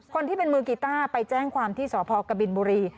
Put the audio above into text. คนที่เป็นมือกีต้าไปแจ้งความที่สพกบินบุรี